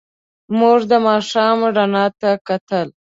موږ د ماښام رڼا ته کتل.